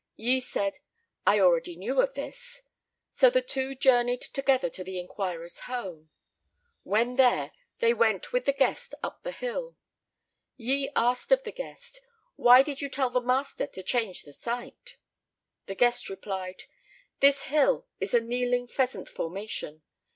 Yi said, "I already knew of this." So the two journeyed together to the inquirer's home. When there, they went with the guest up the hill. Yi asked of the guest, "Why did you tell the master to change the site?" The guest replied, "This hill is a Kneeling Pheasant formation.